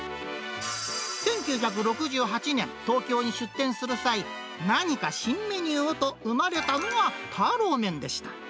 １９６８年、東京に出店する際、何か新メニューをと、生まれたのがターロー麺でした。